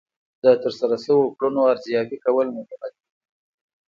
د ترسره شوو کړنو ارزیابي کول مهمه ده.